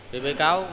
thì bị cáo